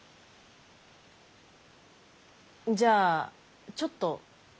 んじゃちょっと。